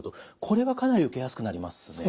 これはかなり受けやすくなりますね。